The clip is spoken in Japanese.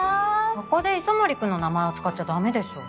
そこで磯森君の名前を使っちゃ駄目でしょ。